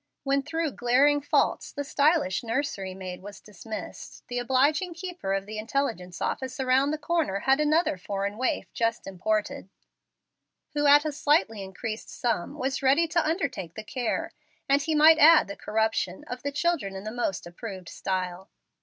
When through glaring faults the stylish nursery maid was dismissed, the obliging keeper of the intelligence office around the corner had another foreign waif just imported, who at a slightly increased sum was ready to undertake the care, and he might add the corruption, of the children in the most approved style.